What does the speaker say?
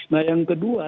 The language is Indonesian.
nah yang kedua